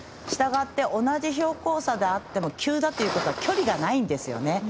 したがって同じ標高差であっても急だということは距離がないんです。